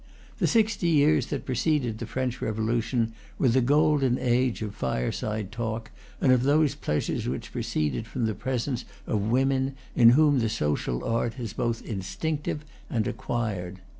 The sixty years that preceded the French Revolution were the golden age of fireside talk and of those pleasures which proceed from the presence of women in whom the social art is both instinctive and acquired.